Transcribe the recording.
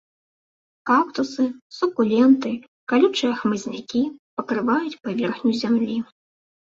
Кактусы, сукуленты, калючыя хмызнякі пакрываюць паверхню зямлі.